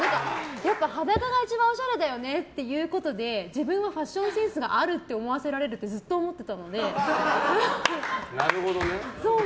やっぱり裸が一番おしゃれだよねと言うことで自分のファッションセンスがあるって思わせられるってずっと思ってたので。